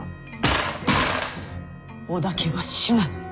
織田家は死なぬ。